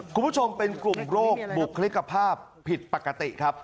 คุณผู้ชมเป็นกลุ่มโรคบุคลิกภาพผิดปกติครับ